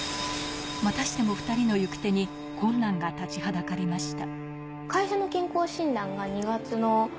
またしても２人の行く手に困難が立ちはだかりました。